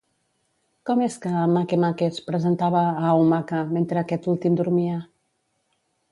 Com és que Make-Make es presentava a Hau-Maka mentre aquest últim dormia?